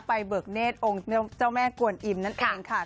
เบิกเนธองค์เจ้าแม่กวนอิมนั่นเองค่ะ